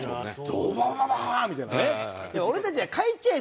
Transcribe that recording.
ドババババ！みたいなね。